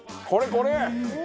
これ！